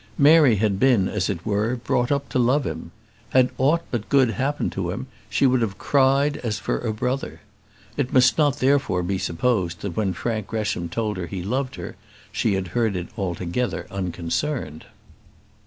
Mary had been, as it were, brought up to love him. Had aught but good happened to him, she would have cried as for a brother. It must not therefore be supposed that when Frank Gresham told her that he loved her, she had heard it altogether unconcerned.